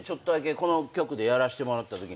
この局でやらしてもらったとき。